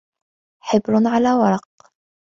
حبر على ورق